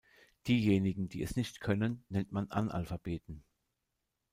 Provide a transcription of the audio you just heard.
Diejenigen, die es nicht können, nennt man Analphabeten.